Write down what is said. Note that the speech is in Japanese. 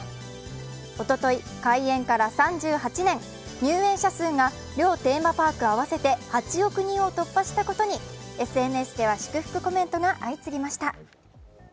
おととい開園から３８年、入園者数が両テーマパーク合わせて８億人を突破したことにＳＮＳでは祝福コメントが相次ぎました。